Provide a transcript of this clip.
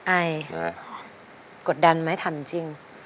ไอถามจริง